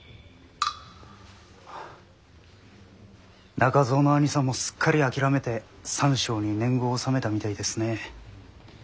中蔵の兄さんもすっかり諦めて三笑に年貢を納めたみたいですね。